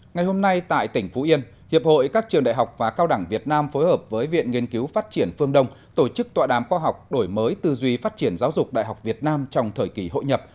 ngày hôm nay tại tỉnh phú yên hiệp hội các trường đại học và cao đẳng việt nam phối hợp với viện nghiên cứu phát triển phương đông tổ chức tọa đám khoa học đổi mới tư duy phát triển giáo dục đại học việt nam trong thời kỳ hội nhập